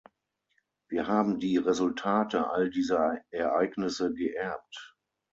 Wir haben die Resultate all dieser Ereignisse geerbt.